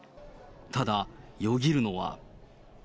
ただ、よぎるのは。